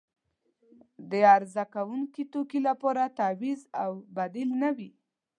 د عرضه کیدونکې توکي لپاره تعویض او بدیل نه وي.